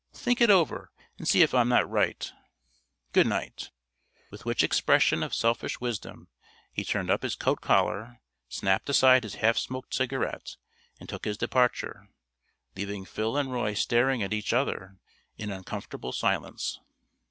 Think it over and see if I'm not right. Good night." With which expression of selfish wisdom, he turned up his coat collar, snapped aside his half smoked cigarette and took his departure, leaving Phil and Roy staring at each other in uncomfortable silence.